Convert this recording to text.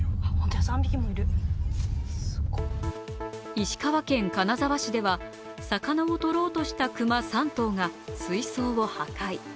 石川県金沢市では魚をとろうとした熊３頭が水槽を破壊。